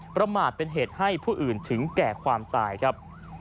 ประมาทเป็นเหตุให้ผู้อื่นถึงแก่ความตายครับ